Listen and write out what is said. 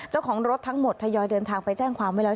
เจ้าของรถทั้งหมดทยอยเดินทางไปแจ้งความไว้แล้ว